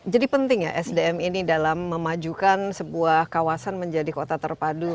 jadi penting ya sdm ini dalam memajukan sebuah kawasan menjadi kota terpadu